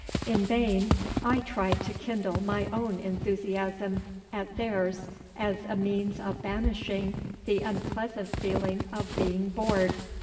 In vain I try to kindle my own enthusiasm at theirs as a means of banishing the unpleasant feeling of being bored.